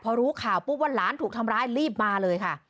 พอรู้ข่าวปุ๊บว่าหลานถูกทำร้ายรีบมาเลยค่ะ